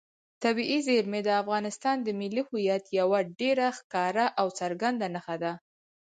طبیعي زیرمې د افغانستان د ملي هویت یوه ډېره ښکاره او څرګنده نښه ده.